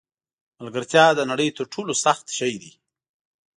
ملګرتیا د نړۍ تر ټولو سخت شی دی.